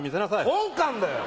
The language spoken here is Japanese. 本官だよ！